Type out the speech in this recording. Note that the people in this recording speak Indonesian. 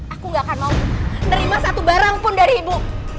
aku gak akan mau nerima satu barang pun dari ibu